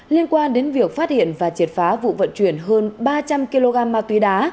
liên quan đến việc phát hiện và triệt phá vụ vận chuyển hơn ba trăm linh kg ma túy đá